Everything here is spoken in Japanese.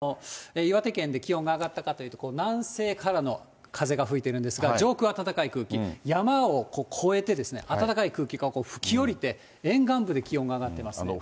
あときょうなんで、岩手県で気温が上がったかというと、南西からの風が吹いてるんですが、上空は暖かい空気、山を越えて、暖かい空気が吹き下りて、沿岸部で気温が上がっています。